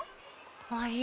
あれ？